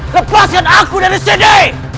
lepaskan aku dari sini